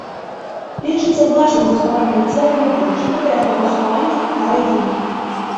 Лічыцца важным захаванне цела нябожчыка да яго пахавання на радзіме.